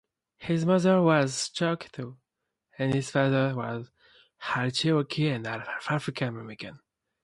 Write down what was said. His mother was Choctaw, and his father was half Cherokee and half African American.